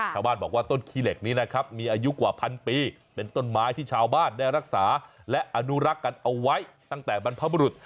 ชาวบ้านบอกว่าต้นขี้เหล็กนี้นะครับมีอายุกว่าพันปีเป็นต้นไม้ที่ชาวบ้านได้รักษาและอนุรักษ์กันเอาไว้ตั้งแต่บรรพบรุษ